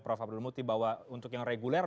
prof abdul muti bahwa untuk yang reguler